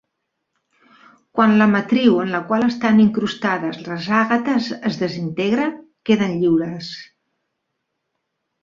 Quan la matriu en la qual estan incrustades les àgates es desintegra, queden lliures.